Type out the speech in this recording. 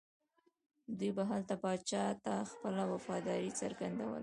دوی به هلته پاچا ته خپله وفاداري څرګندوله.